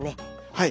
はい。